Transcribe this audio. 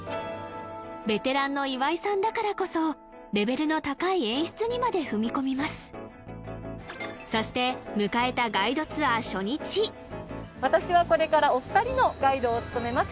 ベテランの岩井さんだからこそレベルの高い演出にまで踏み込みますそして迎えた私はこれからお二人のガイドを務めます